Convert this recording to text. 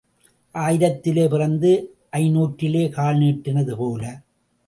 ஆயிரத்திலே பிறந்து ஐந்நூற்றிலே கால் நீட்டினது போல.